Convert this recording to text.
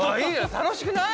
楽しくない？